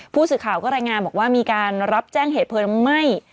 ผู้สื่อข่าวก็รายงานบอกว่ามีการรับแจ้งเหตุเพลิงไหม้